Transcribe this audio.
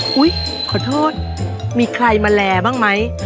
ขอโทษมีใครมาแลบ้างไหม